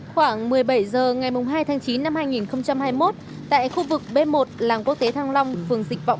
khoảng một mươi bảy h ngày hai tháng chín năm hai nghìn hai mươi một tại khu vực b một làng quốc tế thăng long phường dịch vọng